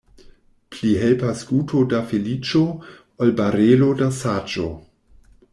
Pli helpas guto da feliĉo, ol barelo da saĝo.